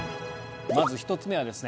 まず１つ目はですね